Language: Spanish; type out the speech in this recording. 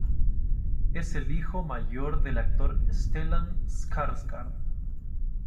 Es el hijo mayor del actor Stellan Skarsgård.